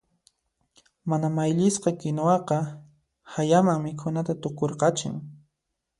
Mana mayllisqa kinuwaqa hayaman mikhunata tukurqachin.